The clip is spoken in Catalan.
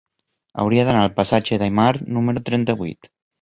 Hauria d'anar al passatge d'Aymar número trenta-vuit.